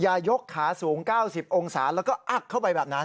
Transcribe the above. ยกขาสูง๙๐องศาแล้วก็อักเข้าไปแบบนั้น